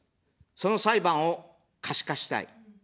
その裁判を可視化したい。